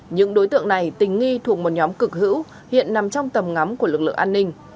những đối tượng này tình nghi thuộc một nhóm cực hữu hiện nằm trong tầm ngắm của lực lượng an ninh